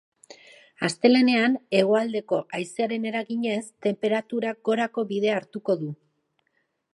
Astelehenean, hegoaldeko haizearen eraginez, tenperaturak gorako bidea hartuko du.